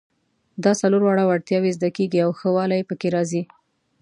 دا څلور واړه وړتیاوې زده کیږي او ښه والی پکې راځي.